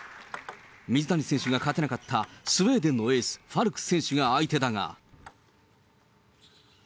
水谷選手が勝てなかった、スウェーデンのエース、ファルク選手が相手だが。